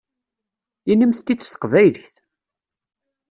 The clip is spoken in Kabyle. Inimt-t-id s teqbaylit!